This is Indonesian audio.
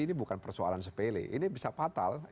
ini bukan persoalan sepele ini bisa fatal